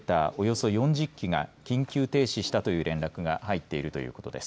およそ４０基が緊急停止したという連絡が入っているということです。